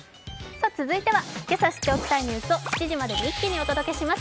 続いてはけさ知っておきたいニュースを７時までに一気にお届けします。